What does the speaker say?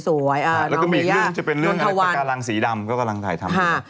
แล้วก็มีอีกเรื่องซ์จะเป็นเรื่องพาการรางสีดำก็กำลังถ่ายทำ